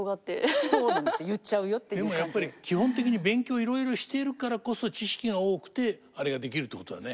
でもやっぱり基本的に勉強いろいろしているからこそ知識が多くてあれができるってことだね。